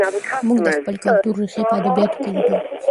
موږ د خپل کلتور ریښې په ادبیاتو کې لټوو.